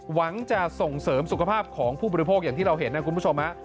หวังจะส่งเสริมสุขภาพของผู้บริโภคอย่างที่เราเห็นนะคุณผู้ชมฮะ